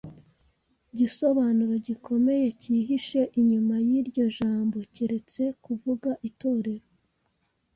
gisobanuro gikomeye kihishe inyuma yiryo jambo, keretse kuvuga Itorero